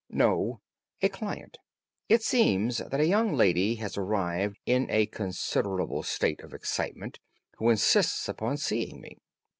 "No; a client. It seems that a young lady has arrived in a considerable state of excitement, who insists upon seeing me.